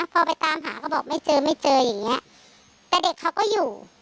พอไปตามหาก็บอกไม่เจอไม่เจออย่างเงี้ยแต่เด็กเขาก็อยู่